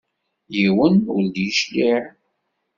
Yiwen ur d-icliɛ.